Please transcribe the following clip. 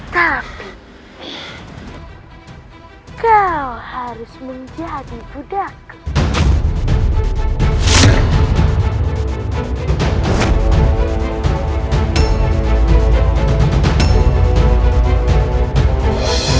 tapi kau harus menjadi budakku